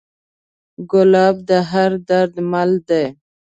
ګلاب د هر درد درمل دی.